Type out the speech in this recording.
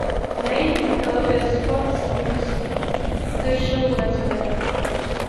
Lane now does sports news for the show as well.